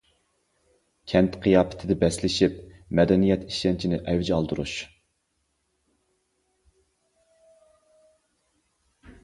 كەنت قىياپىتىدە بەسلىشىپ، مەدەنىيەت ئىشەنچىنى ئەۋج ئالدۇرۇش.